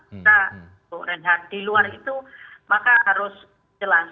kita bu renhard di luar itu maka harus jelas siapa yang sudah menjalankan tugasnya dengan benar